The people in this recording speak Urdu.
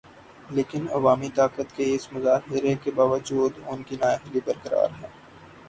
لیکن عوامی طاقت کے اس مظاہرے کے باوجود ان کی نااہلی برقرار ہے۔